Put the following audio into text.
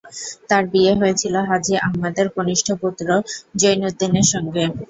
তাঁর বিয়ে হয়েছিল হাজী আহমদের কনিষ্ঠ পুত্র জৈনউদ্দীনের সঙ্গে।